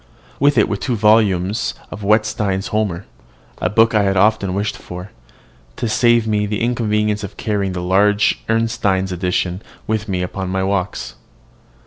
With it were two volumes in duodecimo of Wetstein's "Homer," a book I had often wished for, to save me the inconvenience of carrying the large Ernestine edition with me upon my walks.